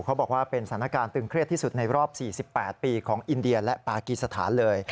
บอกว่าเป็นสถานการณ์ตึงเครียดที่สุดในรอบ๔๘ปีของอินเดียและปากีสถานเลย